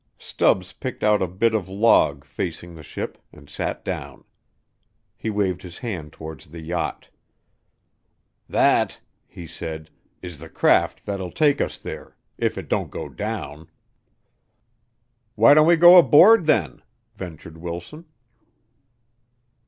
Stubbs picked out a bit of log facing the ship and sat down. He waved his hand towards the yacht. "That," he said, "is the craft that'll take us there if it don't go down." "Why don't we go aboard, then?" ventured Wilson.